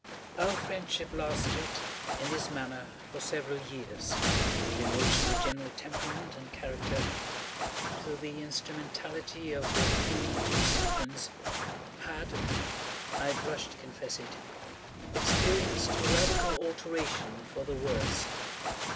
Our friendship lasted, in this manner, for several years, during which my general temperament and character—through the instrumentality of the Fiend Intemperance—had (I blush to confess it) experienced a radical alteration for the worse.